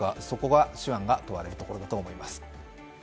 そこが手腕が問われるところだと思います。